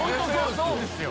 そうですよ。